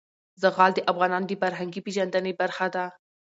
زغال د افغانانو د فرهنګي پیژندنې برخه ده.